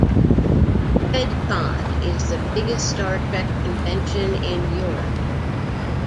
FedCon is the biggest Star Trek convention in Europe.